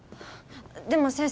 でも先生。